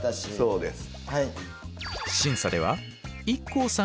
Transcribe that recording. そうです。